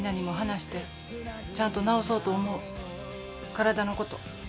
体のこと。